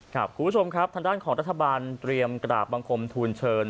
ทางด้านของรัฐบาลเตรียมกราบบังคมทุนเชิญ